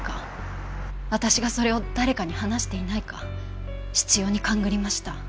私がそれを誰かに話していないか執拗に勘繰りました。